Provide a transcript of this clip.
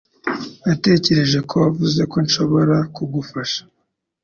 Natekereje ko wavuze ko nshobora kugufasha.